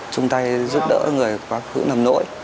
chúng ta giúp đỡ người quá khứ nằm nỗi